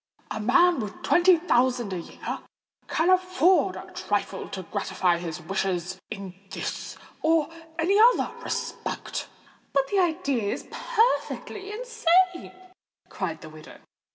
A man with twenty thousand a year can afford a trifle to gratify his wishes in this or any other respect." "But the idea is perfectly insane!" cried the widow.